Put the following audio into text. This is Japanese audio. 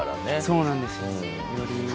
そうなんですよより。